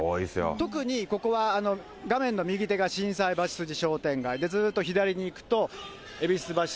特にここは画面の右手が心斎橋筋商店街、ずっと左に行くとえびすばし